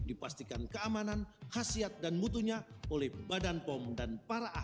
dipastikan keamanan khasiat dan mutunya